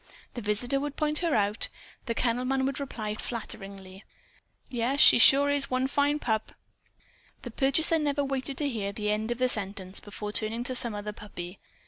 The visitor would point her out. The kennel man would reply, flatteringly "Yes, she sure is one fine pup!" The purchaser never waited to hear the end of the sentence, before turning to some other puppy.